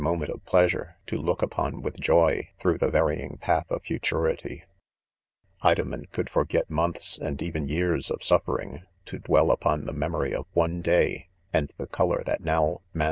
moment of pleasure, 'to look upon with joy, through the varying path of futurity.., : Idomen: co^ld.itorget^months, and even years of sulfering^to dwell &jpb&i%£ meifi ■dry of one day ; and the; color that now man